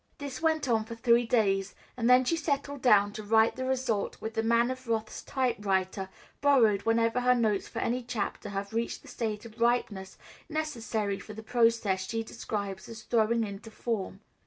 This went on for three days, and then she settled down to write the result with the Man of Wrath's typewriter, borrowed whenever her notes for any chapter have reached the state of ripeness necessary for the process she describes as "throwing into form."